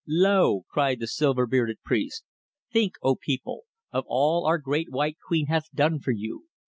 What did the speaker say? "Lo!" cried the silver bearded priest. "Think, O people! of all our Great White Queen hath done for you.